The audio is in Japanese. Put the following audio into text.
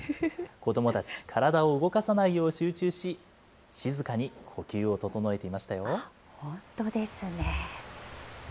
子どもたち、体を動かさないよう集中し、静かに呼吸を整えていま本当ですね。